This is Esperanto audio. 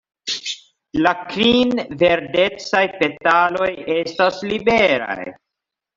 La kvin verdecaj petaloj estas liberaj.